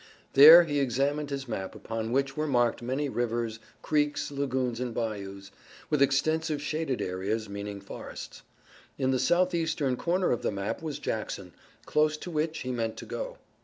There he examined his map upon which were marked many rivers, creeks, lagoons and bayous, with extensive shaded areas meaning forests. In the southeastern corner of the map was Jackson, close to which he meant to go.